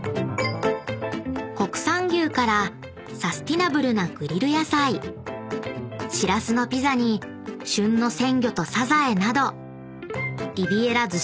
［国産牛からサスティナブルなグリル野菜シラスのピザに旬の鮮魚とサザエなどリビエラ逗子マリーナが誇る絶品メニュー］